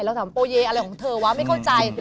ถามโปเยอะไรของเธอวะไม่เข้าใจ